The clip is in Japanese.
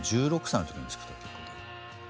１６歳の時に作った曲で。